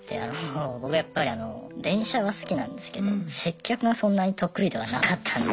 僕やっぱり電車は好きなんですけど接客がそんなに得意ではなかったので。